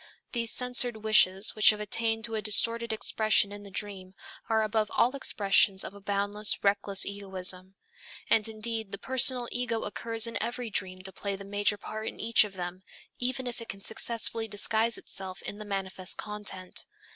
These censored wishes which have attained to a distorted expression in the dream, are above all expressions of a boundless, reckless egoism. And indeed, the personal ego occurs in every dream to play the major part in each of them, even if it can successfully disguise itself in the manifest content.